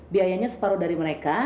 biayanya separuh dari mereka